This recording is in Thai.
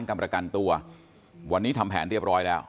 เพราะว่ามีลูกอยู่อย่างเนี่ย